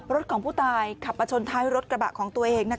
รถของผู้ตายขับมาชนท้ายรถกระบะของตัวเอง